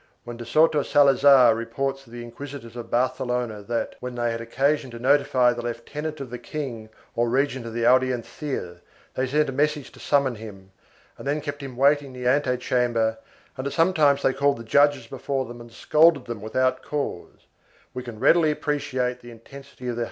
When de Soto Salazar reports of the inquisitors of Barcelona that, when they had occasion to notify the lieutenant of the king or the regent of the Audiencia, they sent a messenger to summon him and then kept him waiting in the antechamber and that sometimes they called the judges before them arid scolded them without cause, we can readily appreciate the intensity of the hatred thus excited.